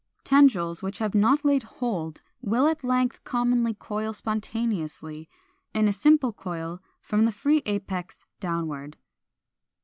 Tendrils which have not laid hold will at length commonly coil spontaneously, in a simple coil, from the free apex downward.